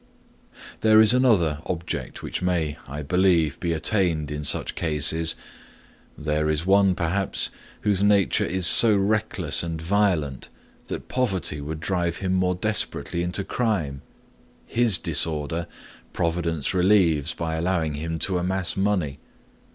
'There is another object which may, I believe, be attained in such cases: there is one, perhaps, whose nature is so reckless and violent that poverty would drive him more desperately into crime. His disorder providence relieves by allowing him to amass money.